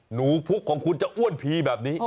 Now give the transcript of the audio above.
หนูพุกของคุณจะอ้วนพีแบบนี้